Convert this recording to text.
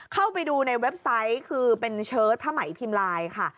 เข้าไปดูในเว็บไซต์คือเป็นเชิดผ้าไหมพิมพ์ไลน์ค่ะ